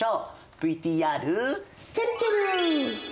ＶＴＲちぇるちぇる！